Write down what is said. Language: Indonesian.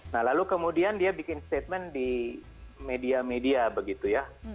nah lalu kemudian dia bikin statement di media media begitu ya